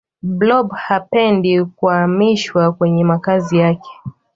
blob hapendi kuamishwa kwenye makazi yake